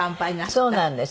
そうなんです。